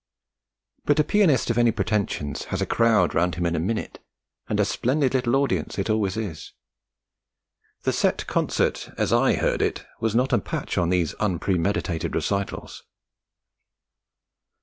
But a pianist of any pretensions has a crowd round him in a minute; and a splendid little audience it always is. The set concert, as I heard it, was not a patch on these unpremeditated recitals.